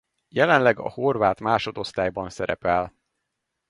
Jelenleg a horvát másodosztályban szerepel.